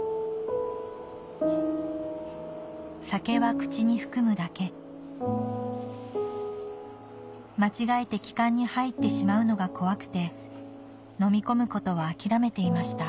酒は口に含むだけ間違えて気管に入ってしまうのが怖くて飲み込むことは諦めていました